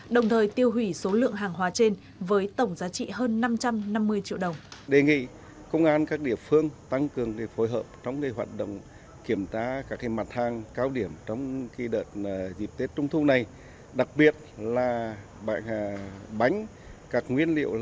đồng thời tiêu hủy số lượng hàng hóa trên với tổng giá trị hơn năm trăm năm mươi triệu đồng